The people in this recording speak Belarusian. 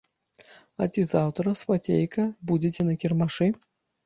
А ці заўтра, свацейка, будзеце на кірмашы?